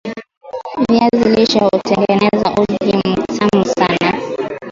Viazi lishe hutengeneza uji mtamu sana